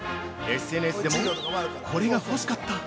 ＳＮＳでも「これが欲しかった！